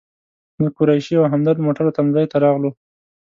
زه، قریشي او همدرد موټرو تم ځای ته راغلو.